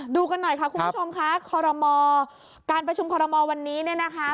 ดูกันหน่อยค่ะคุณผู้ชมค่ะคอรมอการประชุมคอรมอลวันนี้เนี่ยนะคะ